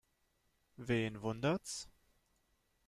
Wen wundert's?